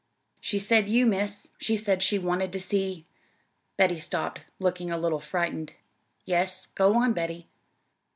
"She said you, Miss. She said she wanted to see " Betty stopped, looking a little frightened. "Yes, go on, Betty."